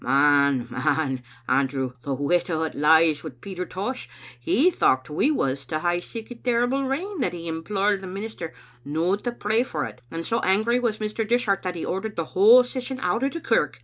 "Man, man, Andrew, the wite o't lies wi' Peter Tosh. He thocht we was to hae sic a terrible rain that he implored the minister no to pray for it, and so angry was Mr. Dishart that he ordered the whole Session out o' the kirk.